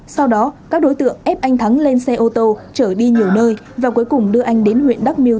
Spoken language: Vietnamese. sau đó các đối tượng ép anh thắng lên xe ô tô trở đi nhiều nơi và cuối cùng đưa anh đến huyện đắk miêu